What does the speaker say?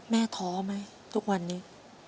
ท้อไหมทุกวันนี้